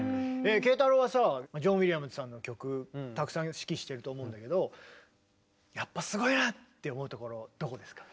慶太楼はさジョン・ウィリアムズさんの曲たくさん指揮してると思うんだけどやっぱすごいなって思うところどこですか？